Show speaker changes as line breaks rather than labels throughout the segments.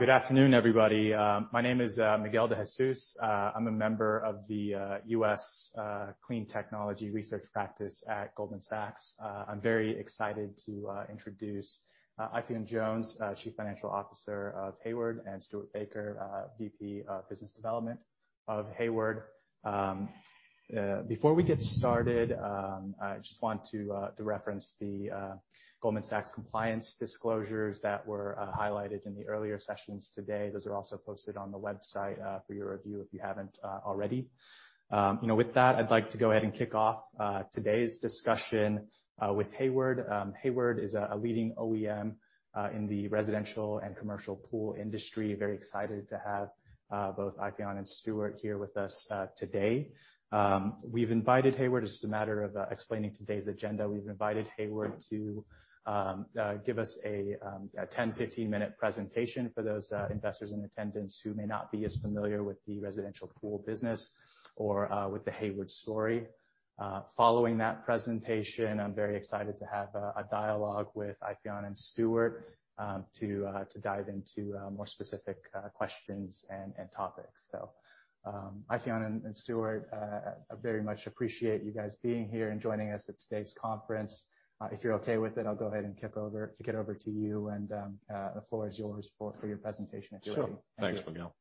Good afternoon, everybody. My name is Miguel De Jesus. I'm a member of the U.S. Clean Technology Research Practice at Goldman Sachs. I'm very excited to introduce Eifion Jones, Chief Financial Officer of Hayward, and Stuart Baker, VP of Business Development of Hayward. Before we get started, I just want to reference the Goldman Sachs compliance disclosures that were highlighted in the earlier sessions today. Those are also posted on the website for your review if you haven't already. You know, with that, I'd like to go ahead and kick off today's discussion with Hayward. Hayward is a leading OEM in the residential and commercial pool industry. Very excited to have both Eifion and Stuart here with us today. We've invited Hayward, just as a matter of explaining today's agenda, to give us a 10-15-minute presentation for those investors in attendance who may not be as familiar with the residential pool business or with the Hayward story. Following that presentation, I'm very excited to have a dialogue with Eifion and Stuart to dive into more specific questions and topics. Eifion and Stuart, I very much appreciate you guys being here and joining us at today's conference. If you're okay with it, I'll go ahead and get over to you and the floor is yours for your presentation if you are ready.
Sure. Thanks, Miguel.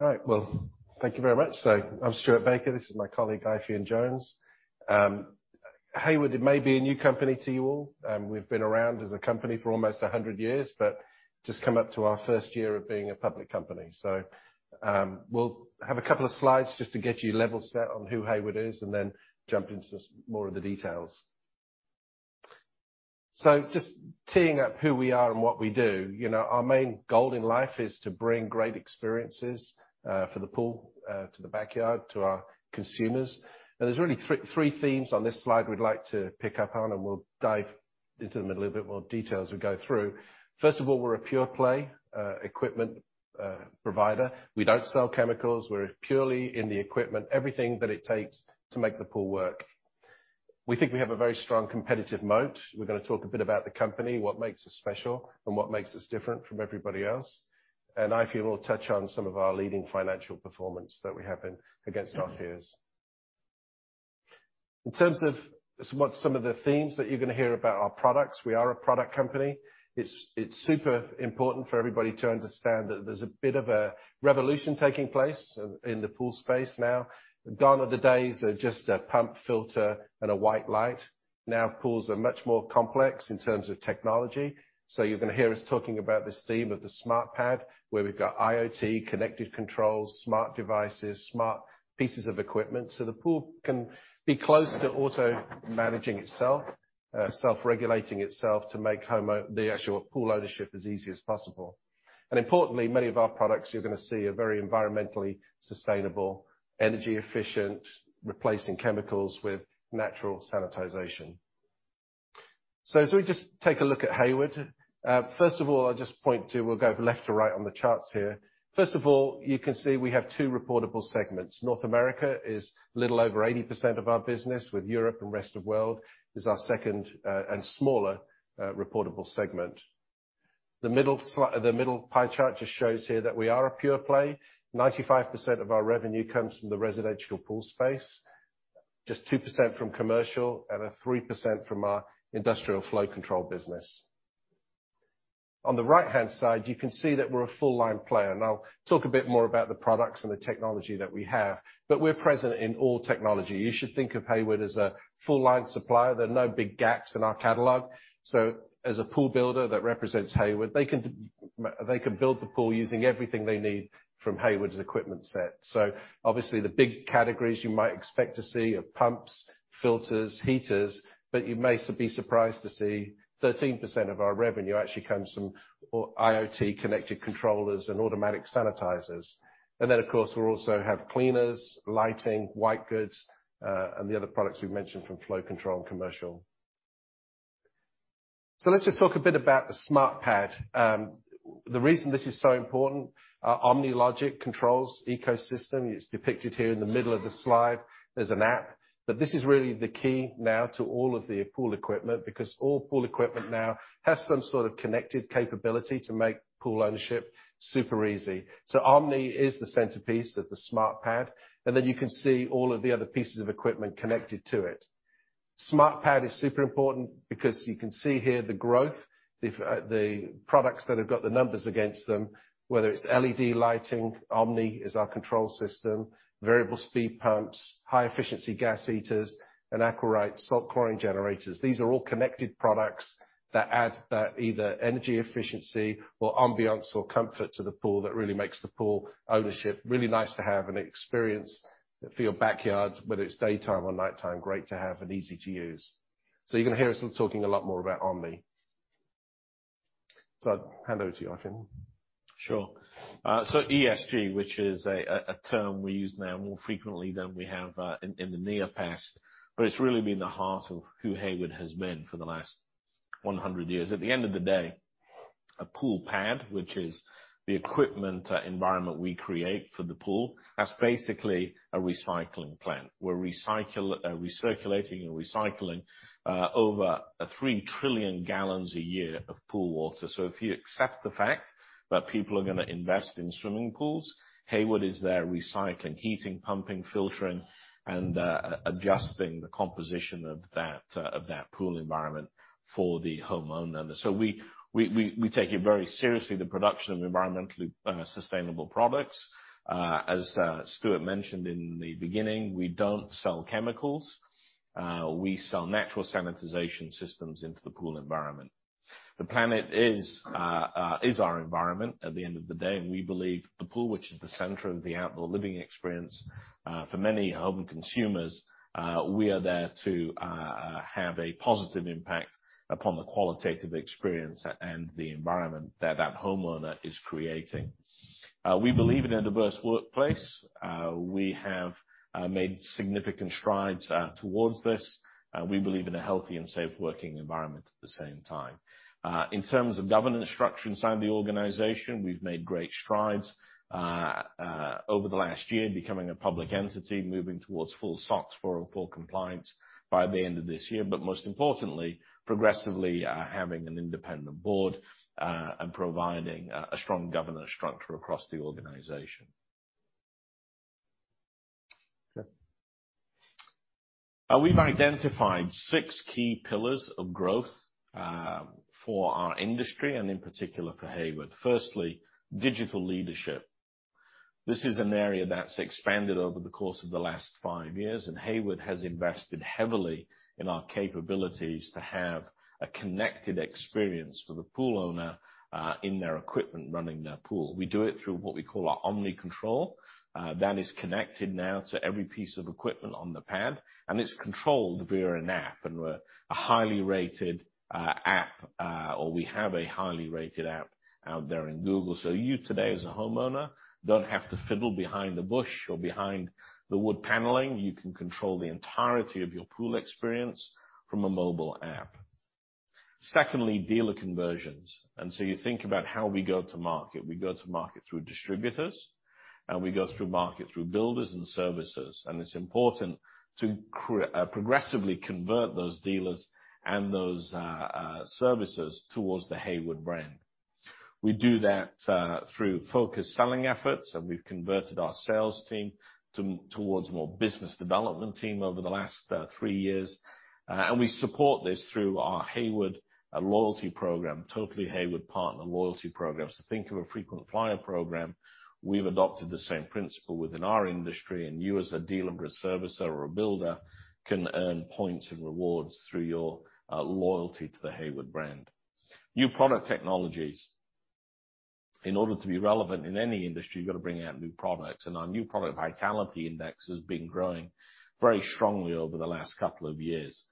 All right. Well, thank you very much. I'm Stuart Baker. This is my colleague, Eifion Jones. Hayward, it may be a new company to you all. We've been around as a company for almost 100 years, but just come up to our first year of being a public company. We'll have a couple of slides just to get you level set on who Hayward is and then jump into some more of the details. Just teeing up who we are and what we do. You know, our main goal in life is to bring great experiences for the pool to the backyard to our consumers. There's really three themes on this slide we'd like to pick up on, and we'll dive into them in a little bit more detail as we go through. First of all, we're a pure play, equipment, provider. We don't sell chemicals. We're purely in the equipment, everything that it takes to make the pool work. We think we have a very strong competitive moat. We're gonna talk a bit about the company, what makes us special and what makes us different from everybody else. Eifion will touch on some of our leading financial performance that we have as against our peers. In terms of some of the themes that you're gonna hear about our products, we are a product company. It's super important for everybody to understand that there's a bit of a revolution taking place in the pool space now. Gone are the days of just a pump filter and a white light. Now, pools are much more complex in terms of technology, so you're gonna hear us talking about this theme of the SmartPad, where we've got IoT, connected controls, smart devices, smart pieces of equipment, so the pool can be close to auto-managing itself, self-regulating itself to make the actual pool ownership as easy as possible. Importantly, many of our products you're gonna see are very environmentally sustainable, energy efficient, replacing chemicals with natural sanitization. As we just take a look at Hayward, first of all, I'll just point to, we'll go left to right on the charts here. First of all, you can see we have two reportable segments. North America is a little over 80% of our business, with Europe and Rest of World is our second and smaller reportable segment. The middle pie chart just shows here that we are a pure play. 95% of our revenue comes from the residential pool space, just 2% from commercial and 3% from our industrial flow control business. On the right-hand side, you can see that we're a full line player, and I'll talk a bit more about the products and the technology that we have, but we're present in all technology. You should think of Hayward as a full line supplier. There are no big gaps in our catalog. As a pool builder that represents Hayward, they can build the pool using everything they need from Hayward's equipment set. Obviously the big categories you might expect to see are pumps, filters, heaters, but you may be surprised to see 13% of our revenue actually comes from IoT connected controllers and automatic sanitizers. Of course, we also have cleaners, lighting, white goods, and the other products we've mentioned from flow control and commercial. Let's just talk a bit about the SmartPad. The reason this is so important, our OmniLogic controls ecosystem is depicted here in the middle of the slide. There's an app, but this is really the key now to all of the pool equipment, because all pool equipment now has some sort of connected capability to make pool ownership super easy. Omni is the centerpiece of the SmartPad, and then you can see all of the other pieces of equipment connected to it. SmartPad is super important because you can see here the growth, the products that have got the numbers against them, whether it's LED lighting, Omni is our control system, variable speed pumps, high efficiency gas heaters, and AquaRite salt chlorine generators. These are all connected products that add either energy efficiency or ambiance or comfort to the pool that really makes the pool ownership really nice to have an experience for your backyard, whether it's daytime or nighttime, great to have and easy to use. You're gonna hear us talking a lot more about Omni. I'll hand over to you, Eifion.
ESG, which is a term we use now more frequently than we have in the near past, but it's really been the heart of who Hayward has been for the last 100 years. At the end of the day, a pool pad, which is the equipment environment we create for the pool. That's basically a recycling plant. We're recirculating and recycling over 3 trillion gallons a year of pool water. If you accept the fact that people are gonna invest in swimming pools, Hayward is there recycling, heating, pumping, filtering, and adjusting the composition of that pool environment for the homeowner. We take it very seriously, the production of environmentally sustainable products. As Stuart mentioned in the beginning, we don't sell chemicals. We sell natural sanitization systems into the pool environment. The planet is our environment at the end of the day, and we believe the pool, which is the center of the outdoor living experience, for many home consumers, we are there to have a positive impact upon the qualitative experience and the environment that homeowner is creating. We believe in a diverse workplace. We have made significant strides towards this. We believe in a healthy and safe working environment at the same time. In terms of governance structure inside the organization, we've made great strides over the last year, becoming a public entity, moving towards full SOX 404 compliance by the end of this year. Most importantly, progressively, having an independent board and providing a strong governance structure across the organization. We've identified six key pillars of growth for our industry, and in particular for Hayward. Firstly, digital leadership. This is an area that's expanded over the course of the last five years, and Hayward has invested heavily in our capabilities to have a connected experience for the pool owner in their equipment running their pool. We do it through what we call our OmniLogic. That is connected now to every piece of equipment on the SmartPad, and it's controlled via an app, and we have a highly rated app out there in Google. So you, today, as a homeowner, don't have to fiddle behind the bush or behind the wood paneling. You can control the entirety of your pool experience from a mobile app. Secondly, dealer conversions. You think about how we go to market. We go to market through distributors, and we go to market through builders and servicers. It's important to progressively convert those dealers and those servicers towards the Hayward brand. We do that through focused selling efforts, and we've converted our sales team towards more business development team over the last three years. We support this through our Hayward loyalty program, Totally Hayward partner loyalty programs. Think of a frequent flyer program. We've adopted the same principle within our industry, and you as a dealer or a servicer or a builder can earn points and rewards through your loyalty to the Hayward brand. New product technologies. In order to be relevant in any industry, you've got to bring out new products, and our new product vitality index has been growing very strongly over the last couple of years.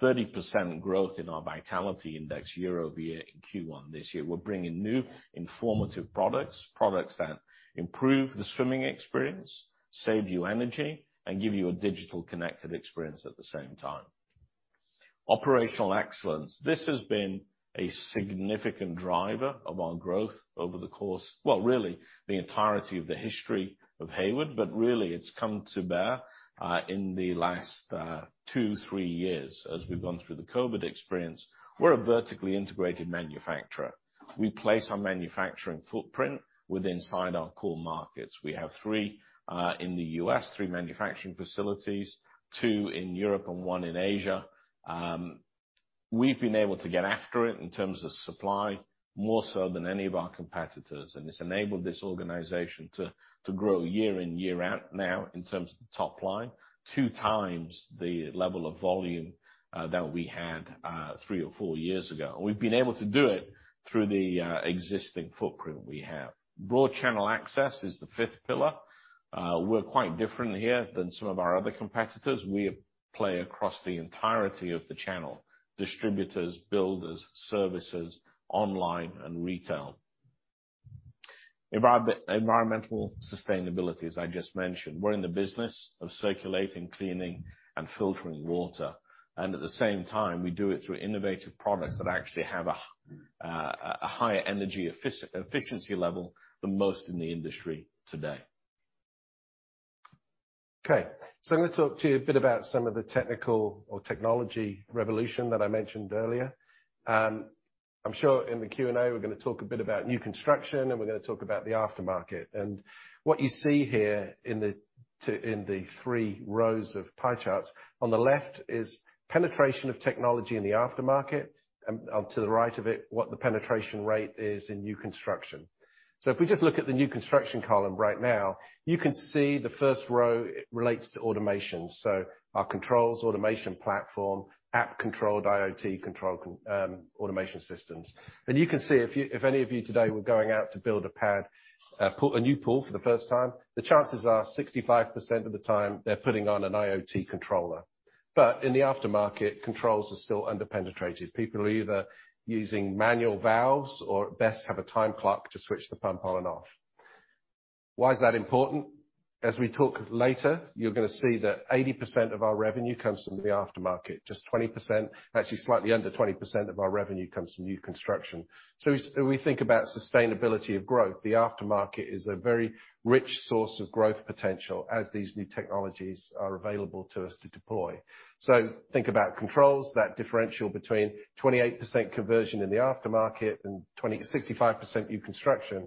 30% growth in our vitality index year-over-year in Q1 this year. We're bringing new innovative products that improve the swimming experience, save you energy, and give you a digital connected experience at the same time. Operational excellence. This has been a significant driver of our growth. Really, the entirety of the history of Hayward, but really it's come to bear in the last two-three years as we've gone through the COVID experience. We're a vertically integrated manufacturer. We place our manufacturing footprint within our core markets. We have three manufacturing facilities in the U.S., two in Europe and one in Asia. We've been able to get after it in terms of supply more so than any of our competitors, and it's enabled this organization to grow year in, year out now in terms of top line, two times the level of volume that we had three or four years ago. We've been able to do it through the existing footprint we have. Broad channel access is the fifth pillar. We're quite different here than some of our other competitors. We play across the entirety of the channel, distributors, builders, services, online, and retail. Environmental sustainability, as I just mentioned. We're in the business of circulating, cleaning, and filtering water. At the same time, we do it through innovative products that actually have a higher energy efficiency level than most in the industry today.
Okay, I'm gonna talk to you a bit about some of the technical or technology revolution that I mentioned earlier. I'm sure in the Q&A, we're gonna talk a bit about new construction, and we're gonna talk about the aftermarket. What you see here in the three rows of pie charts, on the left is penetration of technology in the aftermarket, on to the right of it, what the penetration rate is in new construction. If we just look at the new construction column right now, you can see the first row relates to automation, so our controls, automation platform, app controlled, IoT controlled, automation systems. You can see if you, if any of you today were going out to build a pool, a new pool for the first time, the chances are 65% of the time they're putting on an IoT controller. In the aftermarket, controls are still under-penetrated. People are either using manual valves or at best have a time clock to switch the pump on and off. Why is that important? As we talk later, you're gonna see that 80% of our revenue comes from the aftermarket. Just 20%. Actually, slightly under 20% of our revenue comes from new construction. We think about sustainability of growth, the aftermarket is a very rich source of growth potential as these new technologies are available to us to deploy. Think about controls, that differential between 28% conversion in the aftermarket and 65% new construction.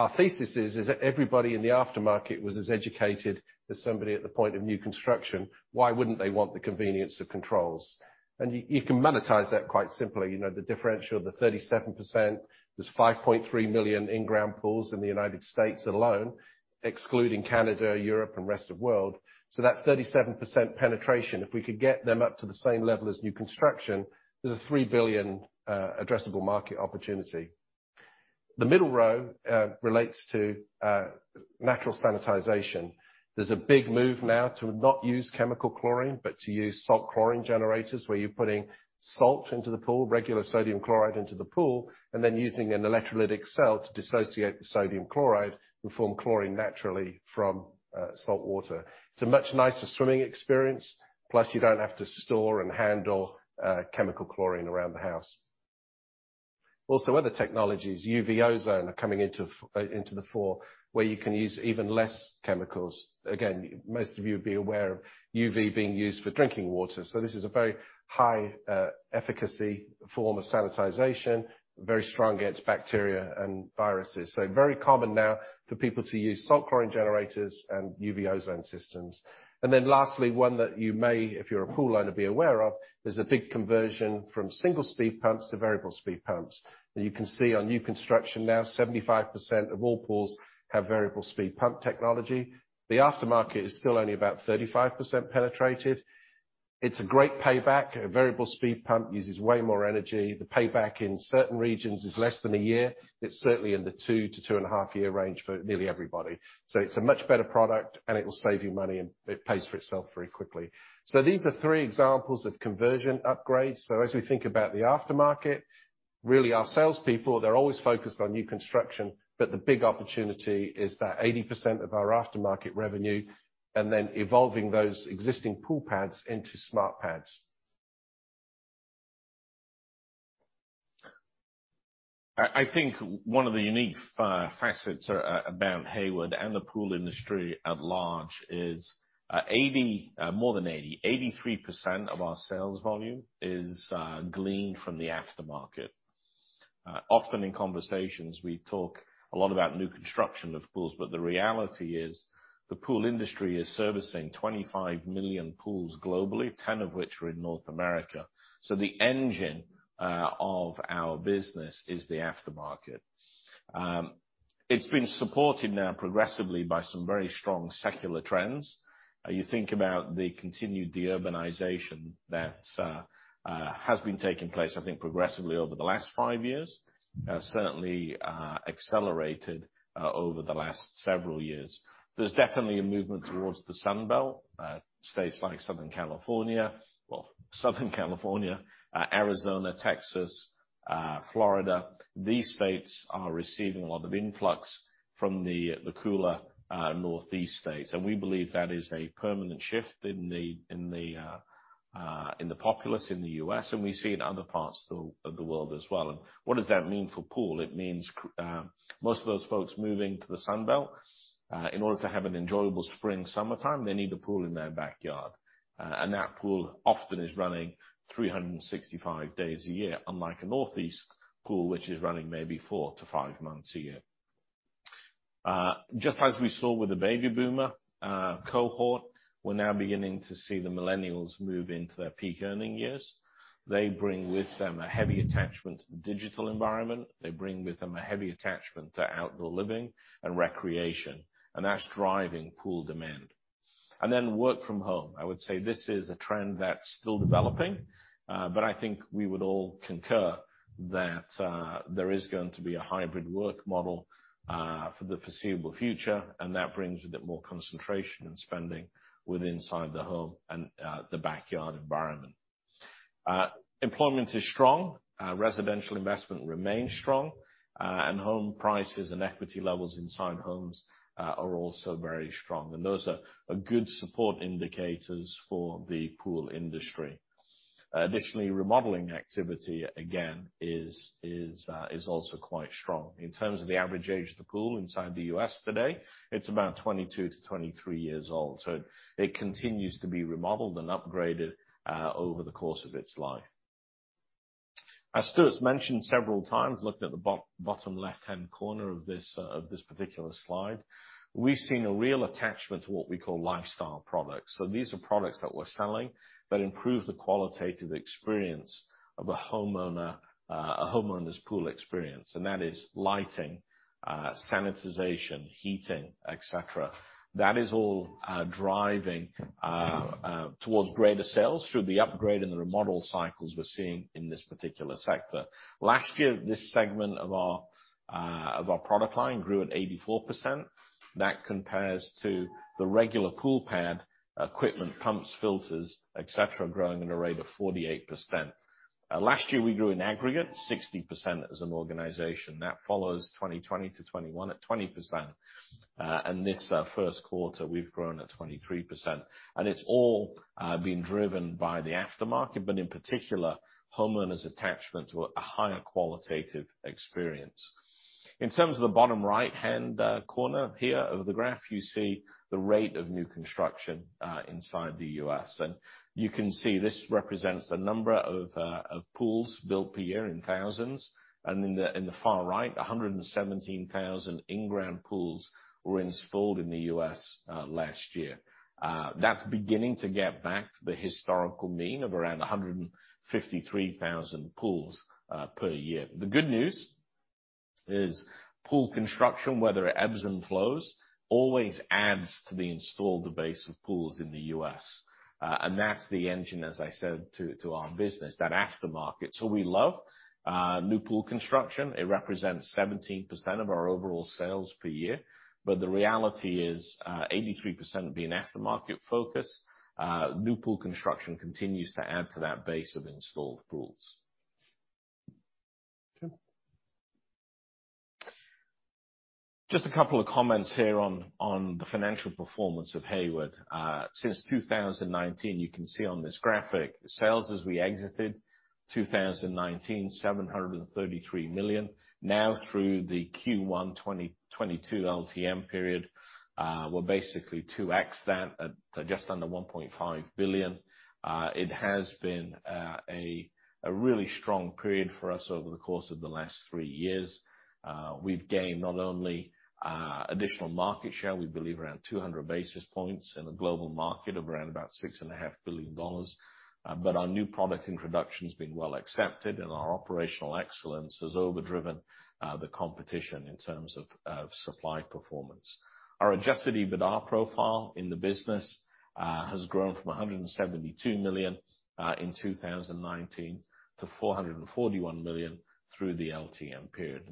Our thesis is that everybody in the aftermarket was as educated as somebody at the point of new construction. Why wouldn't they want the convenience of controls? You can monetize that quite simply. You know the differential of the 37%. There's 5.3 million in-ground pools in the United States alone, excluding Canada, Europe, and rest of world. That 37% penetration, if we could get them up to the same level as new construction, there's a $3 billion addressable market opportunity. The middle row relates to natural sanitization. There's a big move now to not use chemical chlorine, but to use salt chlorine generators, where you're putting salt into the pool, regular sodium chloride into the pool, and then using an electrolytic cell to dissociate the sodium chloride and form chlorine naturally from salt water. It's a much nicer swimming experience, plus you don't have to store and handle chemical chlorine around the house. Also, other technologies, UV ozone, are coming into the forefront, where you can use even less chemicals. Again, most of you will be aware of UV being used for drinking water, so this is a very high efficacy form of sanitization, very strong against bacteria and viruses. So very common now for people to use salt chlorine generators and UV ozone systems. Lastly, one that you may, if you're a pool owner, be aware of is the big conversion from single-speed pumps to variable-speed pumps. You can see on new construction now, 75% of all pools have variable-speed pump technology. The aftermarket is still only about 35% penetrated. It's a great payback. A variable-speed pump uses way more energy. The payback in certain regions is less than a year. It's certainly in the 2-2.5-year range for nearly everybody. It's a much better product, and it'll save you money, and it pays for itself very quickly. These are three examples of conversion upgrades. As we think about the aftermarket, really our salespeople, they're always focused on new construction, but the big opportunity is that 80% of our aftermarket revenue, and then evolving those existing pool pads into SmartPads.
I think one of the unique facets about Hayward and the pool industry at large is more than 83% of our sales volume is gleaned from the aftermarket. Often in conversations, we talk a lot about new construction of pools, but the reality is the pool industry is servicing 25 million pools globally, 10 of which are in North America. The engine of our business is the aftermarket. It's been supported now progressively by some very strong secular trends. You think about the continued de-urbanization that has been taking place, I think, progressively over the last five years, certainly accelerated over the last several years. There's definitely a movement towards the Sun Belt states like Southern California. Well, Southern California, Arizona, Texas, Florida, these states are receiving a lot of influx from the cooler Northeast states. We believe that is a permanent shift in the populace in the US, and we see it in other parts of the world as well. What does that mean for pool? It means most of those folks moving to the Sun Belt in order to have an enjoyable spring, summertime, they need a pool in their backyard. And that pool often is running 365 days a year, unlike a Northeast pool, which is running maybe four-five months a year. Just as we saw with the baby boomer cohort, we're now beginning to see the millennials move into their peak earning years. They bring with them a heavy attachment to the digital environment. They bring with them a heavy attachment to outdoor living and recreation, and that's driving pool demand. Work from home. I would say this is a trend that's still developing, but I think we would all concur that there is going to be a hybrid work model for the foreseeable future, and that brings a bit more concentration in spending with inside the home and the backyard environment. Employment is strong. Residential investment remains strong. Home prices and equity levels inside homes are also very strong. Those are good support indicators for the pool industry. Additionally, remodeling activity, again, is also quite strong. In terms of the average age of the pool inside the U.S. today, it's about 22-23 years old, so it continues to be remodeled and upgraded over the course of its life. Stuart's mentioned several times, looking at the bottom left-hand corner of this particular slide, we've seen a real attachment to what we call lifestyle products. These are products that we're selling that improve the qualitative experience of a homeowner's pool experience. That is lighting, sanitization, heating, et cetera. That is all driving towards greater sales through the upgrade and the remodel cycles we're seeing in this particular sector. Last year, this segment of our product line grew at 84%. That compares to the regular pool pad equipment, pumps, filters, et cetera, growing at a rate of 48%. Last year, we grew in aggregate 60% as an organization. That follows 2020 to 2021 at 20%. This first quarter, we've grown at 23%. It's all been driven by the aftermarket, but in particular, homeowners' attachment to a higher qualitative experience. In terms of the bottom right-hand corner here of the graph, you see the rate of new construction inside the U.S. You can see this represents the number of pools built per year in thousands. In the far right, 117,000 in-ground pools were installed in the U.S. last year. That's beginning to get back to the historical mean of around 153,000 pools per year. The good news is pool construction, whether it ebbs and flows, always adds to the installed base of pools in the U.S. That's the engine, as I said, to our business, that aftermarket. We love new pool construction. It represents 17% of our overall sales per year. The reality is, 83% being aftermarket focused, new pool construction continues to add to that base of installed pools.
Okay.
Just a couple of comments here on the financial performance of Hayward. Since 2019, you can see on this graphic, sales as we exited 2019, $733 million. Now through the Q1 2022 LTM period, we're basically 2x that at just under $1.5 billion. It has been a really strong period for us over the course of the last three years. We've gained not only additional market share, we believe around 200 basis points in a global market of around about $6.5 billion, but our new product introduction has been well accepted and our operational excellence has overdriven the competition in terms of supply performance. Our adjusted EBITDA profile in the business has grown from $172 million in 2019 to $441 million through the LTM period.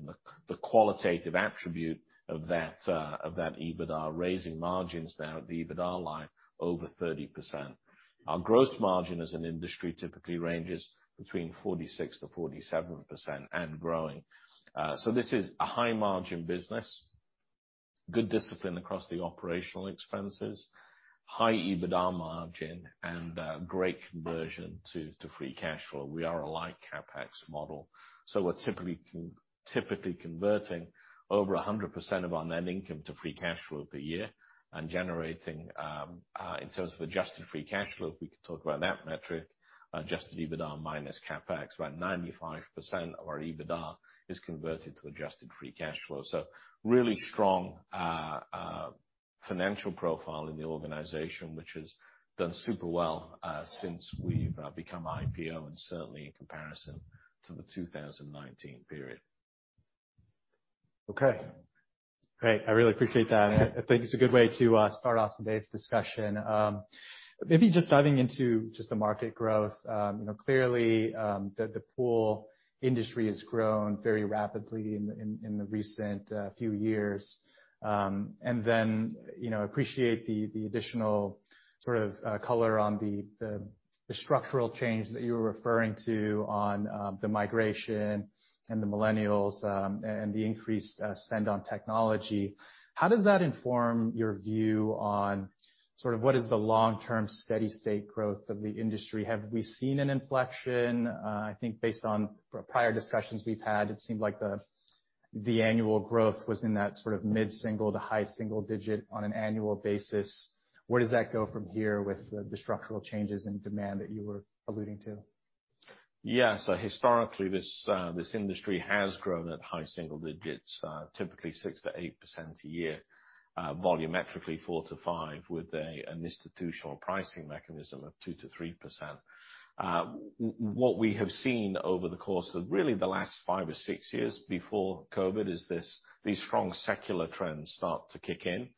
The qualitative attribute of that EBITDA raising margins now at the EBITDA line over 30%. Our gross margin as an industry typically ranges between 46%-47% and growing. This is a high margin business, good discipline across the operational expenses, high EBITDA margin and great conversion to free cash flow. We are a light CapEx model, so we're typically converting over 100% of our net income to free cash flow per year and generating in terms of adjusted free cash flow, if we could talk about that metric, adjusted EBITDA minus CapEx. About 95% of our EBITDA is converted to adjusted free cash flow. Really strong financial profile in the organization, which has done super well since we've become IPO and certainly in comparison to the 2019 period.
Okay, great. I really appreciate that. I think it's a good way to start off today's discussion. Maybe just diving into the market growth, you know, clearly, the pool industry has grown very rapidly in the recent few years. I appreciate the additional sort of color on the structural change that you were referring to on the migration and the millennials, and the increased spend on technology. How does that inform your view on sort of what is the long-term steady state growth of the industry? Have we seen an inflection? I think based on prior discussions we've had, it seemed like the annual growth was in that sort of mid-single to high single digit on an annual basis. Where does that go from here with the structural changes in demand that you were alluding to?
Yeah. Historically this industry has grown at high single digits, typically 6%-8% a year, volumetrically 4%-5% with an institutional pricing mechanism of 2%-3%. What we have seen over the course of really the last 5% or 6% years before COVID is these strong secular trends start to kick in,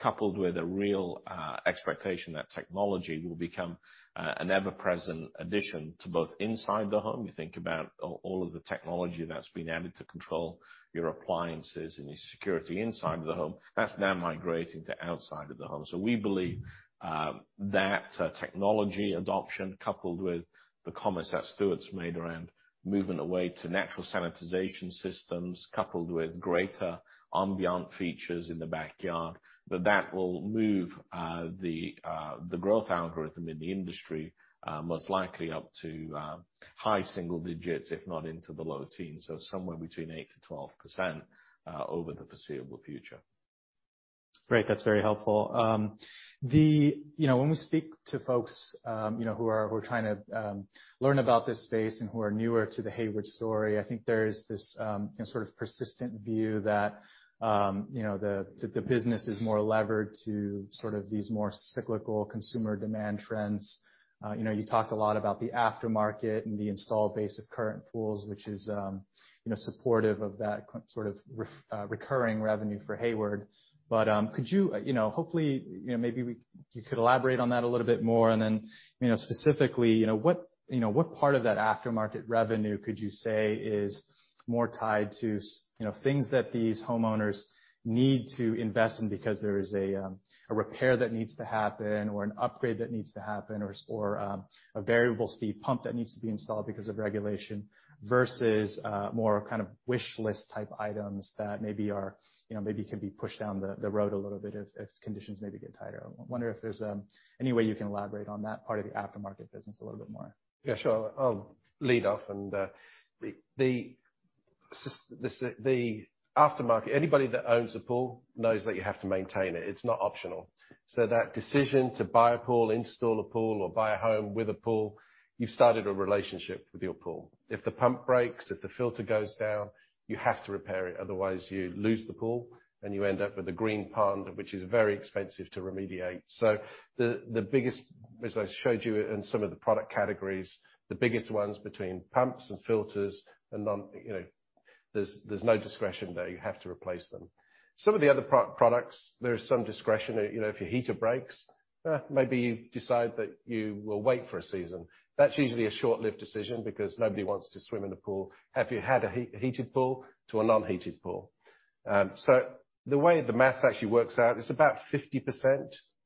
coupled with a real expectation that technology will become an ever-present addition to both inside the home. You think about all of the technology that's been added to control your appliances and your security inside of the home, that's now migrating to outside of the home. We believe that technology adoption, coupled with the comments that Stuart's made around moving away to natural sanitization systems, coupled with greater ambient features in the backyard, that will move the growth algorithm in the industry most likely up to high single digits, if not into the low teens, so somewhere between 8%-12% over the foreseeable future.
Great, that's very helpful. You know, when we speak to folks, you know, who are trying to learn about this space and who are newer to the Hayward story, I think there's this, you know, sort of persistent view that, you know, the business is more levered to sort of these more cyclical consumer demand trends. You know, you talk a lot about the aftermarket and the installed base of current pools, which is, you know, supportive of that sort of recurring revenue for Hayward. Could you hopefully maybe you could elaborate on that a little bit more and then specifically what part of that aftermarket revenue could you say is more tied to you know things that these homeowners need to invest in because there is a repair that needs to happen or an upgrade that needs to happen or a variable speed pump that needs to be installed because of regulation versus more kind of wishlist type items that maybe are you know maybe can be pushed down the road a little bit if conditions maybe get tighter. I wonder if there's any way you can elaborate on that part of the aftermarket business a little bit more.
Yeah, sure. I'll lead off. The aftermarket, anybody that owns a pool knows that you have to maintain it. It's not optional. That decision to buy a pool, install a pool, or buy a home with a pool, you've started a relationship with your pool. If the pump breaks, if the filter goes down, you have to repair it, otherwise you lose the pool, and you end up with a green pond, which is very expensive to remediate. The biggest, as I showed you in some of the product categories, the biggest ones between pumps and filters, you know, there's no discretion there. You have to replace them. Some of the other products, there is some discretion. You know, if your heater breaks, maybe you decide that you will wait for a season. That's usually a short-lived decision because nobody wants to swim in a pool if you had a heated pool to a non-heated pool. The way the math actually works out, it's about 50%,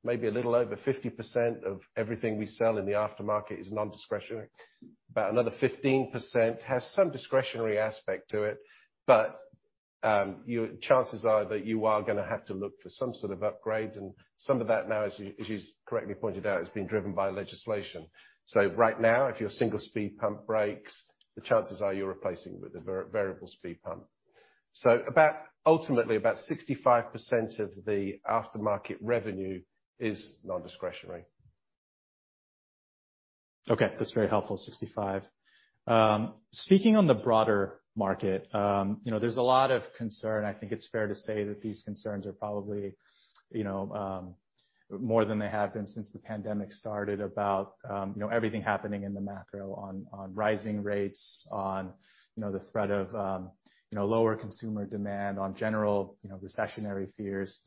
maybe a little over 50% of everything we sell in the aftermarket is nondiscretionary. About another 15% has some discretionary aspect to it, but chances are that you are gonna have to look for some sort of upgrade, and some of that now, as you correctly pointed out, has been driven by legislation. Right now, if your single-speed pump breaks, the chances are you're replacing it with a variable speed pump. About, ultimately, about 65% of the aftermarket revenue is non-discretionary.
Okay, that's very helpful, 65%. Speaking on the broader market, you know, there's a lot of concern. I think it's fair to say that these concerns are probably, you know, more than they have been since the pandemic started about, you know, everything happening in the macro on rising rates, on, you know, the threat of, you know, lower consumer demand, on general, you know, recessionary fears.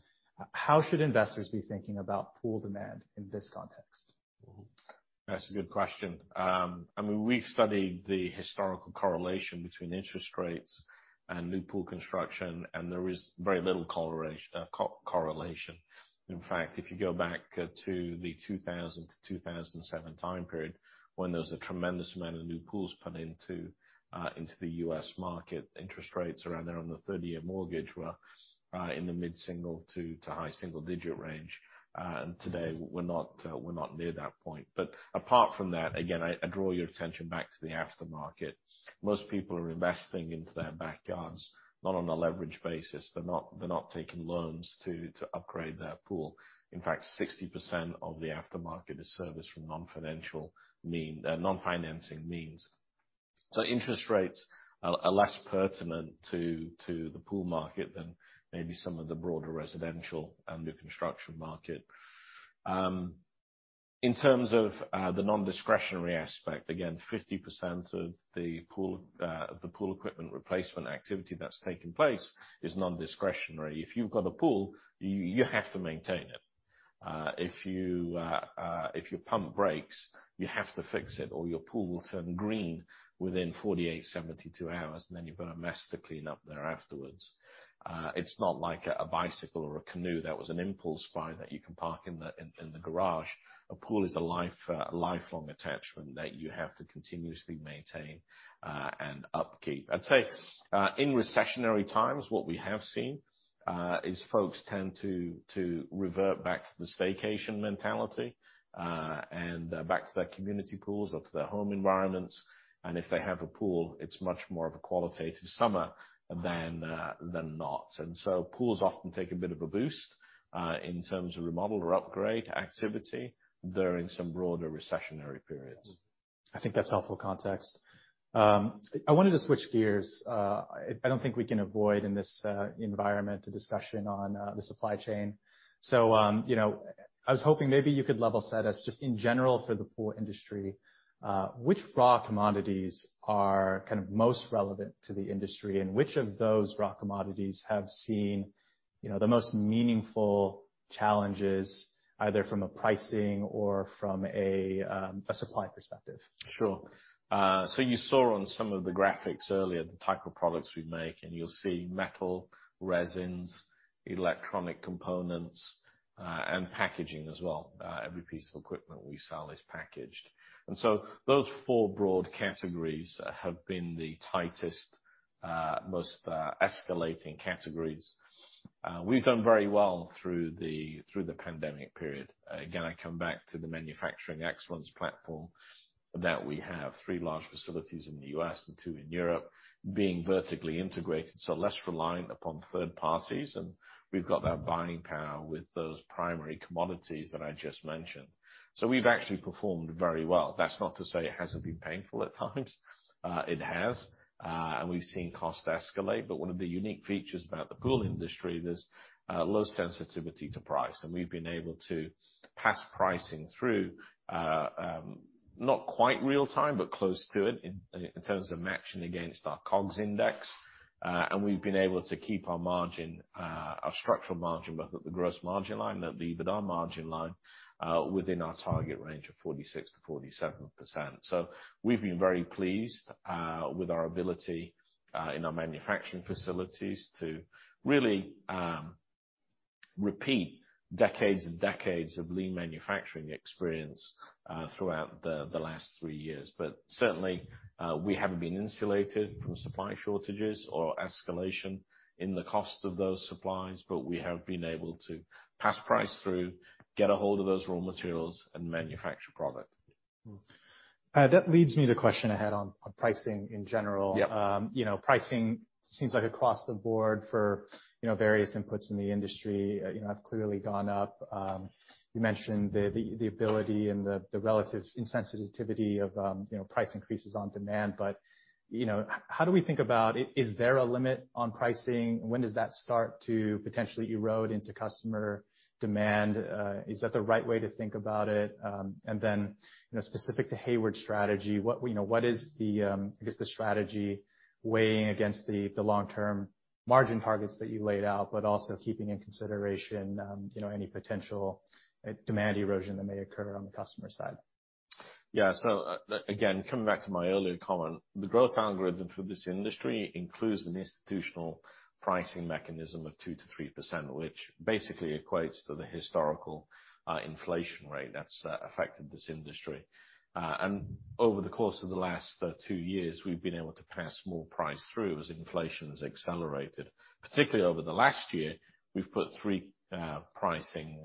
How should investors be thinking about pool demand in this context?
That's a good question. I mean, we've studied the historical correlation between interest rates and new pool construction, and there is very little correlation. In fact, if you go back to 2000 to 2007 time period, when there was a tremendous amount of new pools put into the U.S. market, interest rates around there on the 30-year mortgage were in the mid-single- to high-single-digit range. Today, we're not near that point. Apart from that, again, I draw your attention back to the aftermarket. Most people are investing into their backyards, not on a leverage basis. They're not taking loans to upgrade their pool. In fact, 60% of the aftermarket is serviced from non-financing means. Interest rates are less pertinent to the pool market than maybe some of the broader residential and new construction market. In terms of the nondiscretionary aspect, again, 50% of the pool equipment replacement activity that's taking place is nondiscretionary. If you've got a pool, you have to maintain it. If your pump breaks, you have to fix it or your pool will turn green within 48-72 hours, and then you've got a mess to clean up there afterwards. It's not like a bicycle or a canoe that was an impulse buy that you can park in the garage. A pool is a lifelong attachment that you have to continuously maintain and upkeep. I'd say, in recessionary times, what we have seen, is folks tend to revert back to the staycation mentality, and back to their community pools or to their home environments. If they have a pool, it's much more of a qualitative summer than not. Pools often take a bit of a boost, in terms of remodel or upgrade activity during some broader recessionary periods.
I think that's helpful context. I wanted to switch gears. I don't think we can avoid in this environment a discussion on the supply chain. You know, I was hoping maybe you could level set us just in general for the pool industry, which raw commodities are kind of most relevant to the industry, and which of those raw commodities have seen, you know, the most meaningful challenges, either from a pricing or from a supply perspective?
Sure. So you saw on some of the graphics earlier the type of products we make, and you'll see metal, resins, electronic components, and packaging as well. Every piece of equipment we sell is packaged. Those four broad categories have been the tightest, most escalating categories. We've done very well through the pandemic period. Again, I come back to the manufacturing excellence platform that we have three large facilities in the U.S. and two in Europe being vertically integrated, so less reliant upon third parties, and we've got that buying power with those primary commodities that I just mentioned. We've actually performed very well. That's not to say it hasn't been painful at times. It has, and we've seen costs escalate. One of the unique features about the pool industry, there's low sensitivity to price, and we've been able to pass pricing through, not quite real time, but close to it in terms of matching against our costs index, and we've been able to keep our margin, our structural margin, both at the gross margin line and EBITDA margin line, within our target range of 46%-47%. We've been very pleased with our ability in our manufacturing facilities to really repeat decades and decades of lean manufacturing experience throughout the last three years. We haven't been insulated from supply shortages or escalation in the cost of those supplies, but we have been able to pass price through, get a hold of those raw materials and manufacture product.
That leads me to the question I had on pricing in general.
Yeah.
You know, pricing seems like across the board for, you know, various inputs in the industry, you know, have clearly gone up. You mentioned the ability and the relative insensitivity of, you know, price increases on demand. You know, how do we think about it? Is there a limit on pricing? When does that start to potentially erode into customer demand? Is that the right way to think about it? You know, specific to Hayward strategy, what, you know, what is the, I guess the strategy weighing against the long-term margin targets that you laid out, but also keeping in consideration, you know, any potential demand erosion that may occur on the customer side?
Yeah. Again, coming back to my earlier comment, the growth algorithm for this industry includes an institutional pricing mechanism of 2%-3%, which basically equates to the historical inflation rate that's affected this industry. Over the course of the last two years, we've been able to pass more price through as inflation's accelerated. Particularly over the last year, we've put three pricing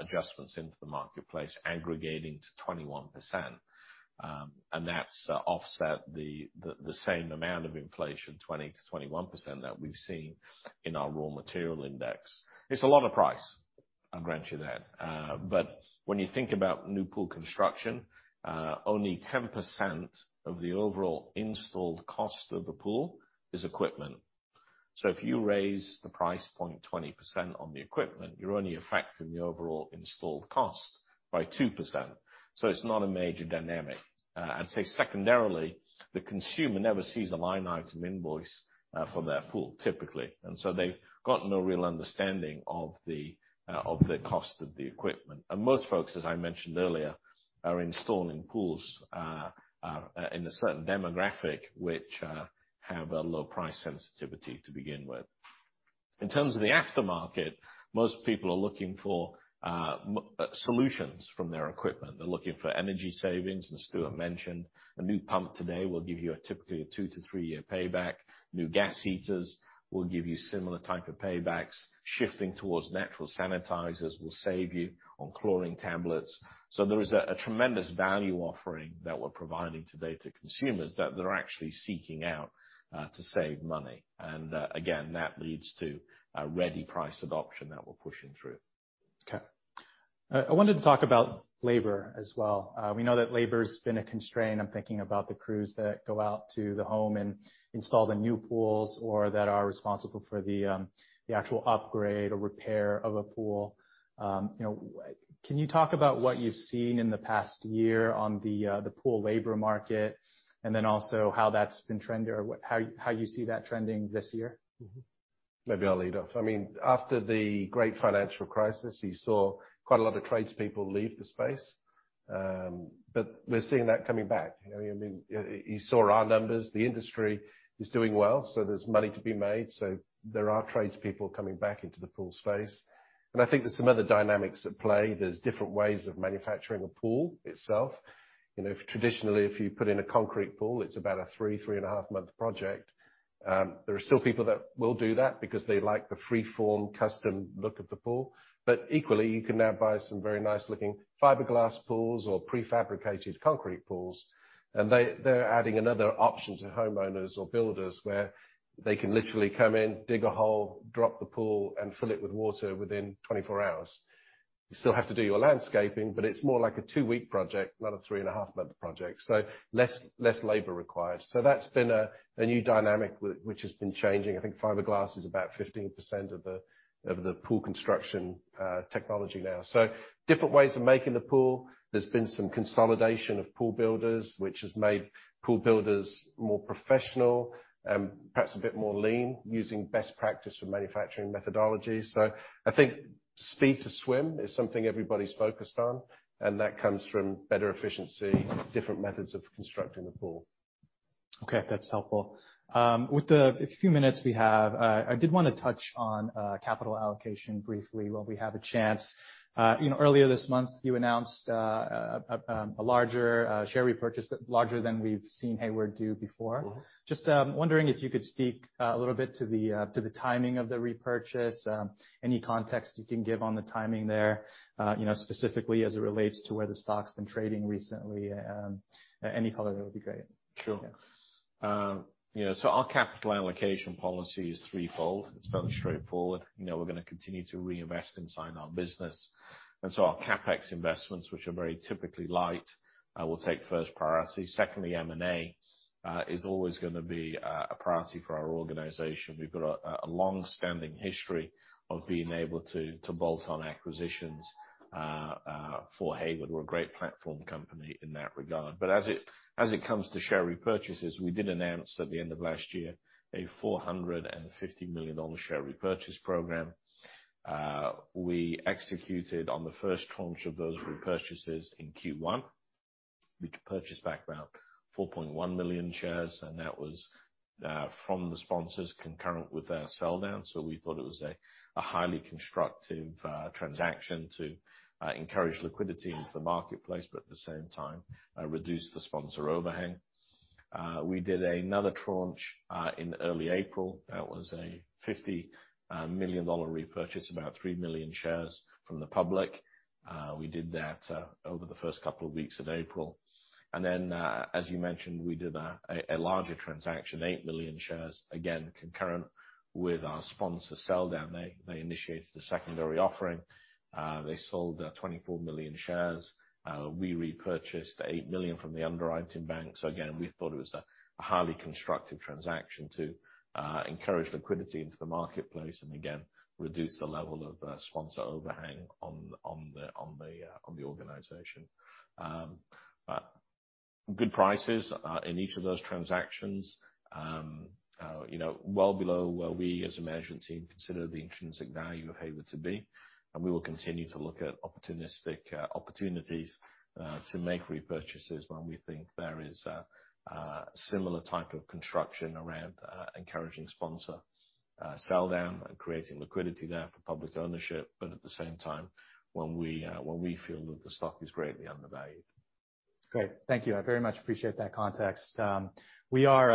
adjustments into the marketplace aggregating to 21%. That's offset the same amount of inflation, 20%-21%, that we've seen in our raw material index. It's a lot of price, I'll grant you that. When you think about new pool construction, only 10% of the overall installed cost of the pool is equipment. If you raise the price point 20% on the equipment, you're only affecting the overall installed cost by 2%. It's not a major dynamic. I'd say secondarily, the consumer never sees a line item invoice for their pool, typically. They've got no real understanding of the cost of the equipment. Most folks, as I mentioned earlier, are installing pools in a certain demographic which have a low price sensitivity to begin with. In terms of the aftermarket, most people are looking for solutions from their equipment. They're looking for energy savings, as Stuart mentioned. A new pump today will give you typically a two-three year payback. New gas heaters will give you similar type of paybacks. Shifting towards natural sanitizers will save you on chlorine tablets. There is a tremendous value offering that we're providing today to consumers that they're actually seeking out to save money. Again, that leads to rapid price adoption that we're pushing through.
Okay. I wanted to talk about labor as well. We know that labor's been a constraint. I'm thinking about the crews that go out to the home and install the new pools or that are responsible for the actual upgrade or repair of a pool. You know, can you talk about what you've seen in the past year on the pool labor market, and then also how that's been trending or what, how you see that trending this year?
Mm-hmm. Maybe I'll lead off. I mean, after the Great Financial Crisis, you saw quite a lot of tradespeople leave the space. We're seeing that coming back. You know what I mean? You saw our numbers. The industry is doing well, so there's money to be made, so there are tradespeople coming back into the pool space. I think there's some other dynamics at play. There's different ways of manufacturing a pool itself. You know, traditionally, if you put in a concrete pool, it's about a three and a half month project. There are still people that will do that because they like the free-form custom look of the pool. Equally, you can now buy some very nice-looking fiberglass pools or prefabricated concrete pools, and they're adding another option to homeowners or builders where they can literally come in, dig a hole, drop the pool, and fill it with water within 24 hours. You still have to do your landscaping, but it's more like a two-week project, not a 3.5-month project. Less labor required. That's been a new dynamic which has been changing. I think fiberglass is about 15% of the pool construction technology now. Different ways of making the pool. There's been some consolidation of pool builders, which has made pool builders more professional, perhaps a bit more lean, using best practice for manufacturing methodologies. I think speed to swim is something everybody's focused on, and that comes from better efficiency, different methods of constructing the pool.
Okay, that's helpful. With the few minutes we have, I did wanna touch on capital allocation briefly while we have a chance. You know, earlier this month, you announced a larger share repurchase than we've seen Hayward do before.
Mm-hmm.
Just wondering if you could speak a little bit to the timing of the repurchase, any context you can give on the timing there, you know, specifically as it relates to where the stock's been trading recently. Any color there would be great.
Sure.
Yeah.
You know, our capital allocation policy is threefold. It's fairly straightforward. You know, we're gonna continue to reinvest inside our business. Our CapEx investments, which are very typically light, will take first priority. Secondly, M&A is always gonna be a priority for our organization. We've got a long-standing history of being able to bolt on acquisitions for Hayward. We're a great platform company in that regard. As it comes to share repurchases, we did announce at the end of last year a $450 million share repurchase program. We executed on the first tranche of those repurchases in Q1. We purchased back around 4.1 million shares, and that was from the sponsors concurrent with our sell down. We thought it was a highly constructive transaction to encourage liquidity into the marketplace, but at the same time, reduce the sponsor overhang. We did another tranche in early April. That was a $50 million repurchase, about three million shares from the public. We did that over the first couple of weeks of April. Then, as you mentioned, we did a larger transaction, eight million shares, again, concurrent with our sponsor sell down. They initiated the secondary offering. They sold 24 million shares. We repurchased eight million from the underwriting bank. Again, we thought it was a highly constructive transaction to encourage liquidity into the marketplace, and again, reduce the level of sponsor overhang on the organization. Good prices in each of those transactions. You know, well below where we as a management team consider the intrinsic value of Hayward to be, and we will continue to look at opportunistic opportunities to make repurchases when we think there is similar type of construction around encouraging sponsor sell down and creating liquidity there for public ownership, but at the same time, when we feel that the stock is greatly undervalued.
Great. Thank you. I very much appreciate that context. We are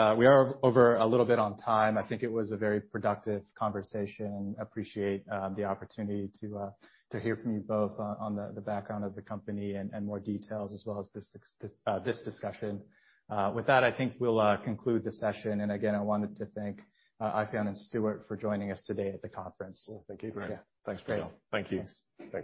over a little bit on time. I think it was a very productive conversation. Appreciate the opportunity to hear from you both on the background of the company and more details as well as this discussion. With that, I think we'll conclude the session. Again, I wanted to thank Eifion and Stuart for joining us today at the conference.
Well, thank you.
Great. Yeah. Thanks, Gail. Great. Thank you. Thanks.